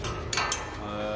へえ。